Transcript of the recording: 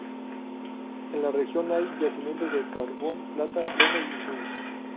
En la región hay yacimientos de carbón, plata, plomo y cinc.